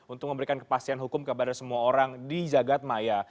untuk memberikan kepastian hukum kepada semua orang di jagadmaya